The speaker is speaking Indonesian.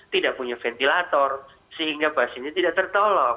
tidak punya ventilator sehingga pasiennya tidak tertolong